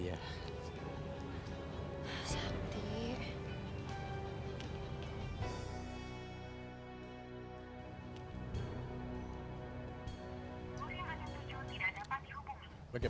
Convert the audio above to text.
konsumen tujuh tidak dapat dihubungkan